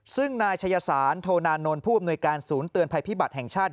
ซึ่งนายชายสารโทนานนท์ผู้อำนวยการศูนย์เตือนภัยพิบัติแห่งชาติ